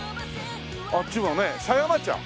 あっちはね狭山茶？